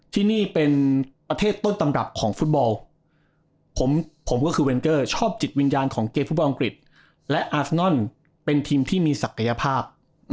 ที่นี่เป็นประเทศต้นตำรับของฟุตบอลผมก็คือเวนเกอร์ชอบจิตวิญญาณของเกมฟุตบอลอังกฤษและอาฟนอนเป็นทีมที่มีศักยภาพ